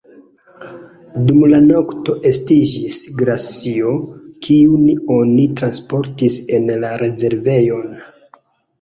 Dum la nokto estiĝis glacio, kiun oni transportis en la rezervejon.